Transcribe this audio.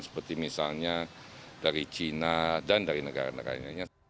seperti misalnya dari china dan dari negara negara lainnya